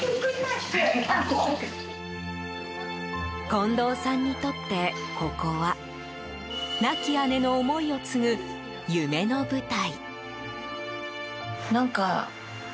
近藤さんにとって、ここは亡き姉の思いを継ぐ夢の舞台。